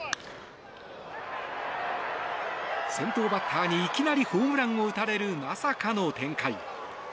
先頭バッターにいきなりホームランを打たれるまさかの展開。